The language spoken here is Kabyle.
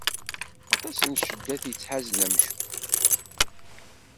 Aṭas n cceddat i yettḥazen amcum.